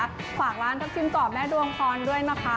ขวากร้านทัพชิมก่อแม่ดวงคลด้วยนะคะ